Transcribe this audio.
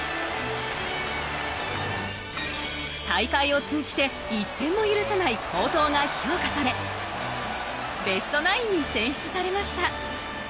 大会を通じて１点も許さない好投が評価されベストナインに選出されました。